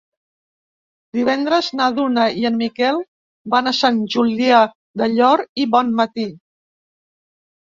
Divendres na Duna i en Miquel van a Sant Julià del Llor i Bonmatí.